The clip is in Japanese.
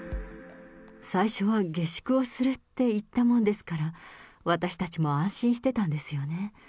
最初は下宿をするって言ったもんですから、私たちも安心してたんですよね。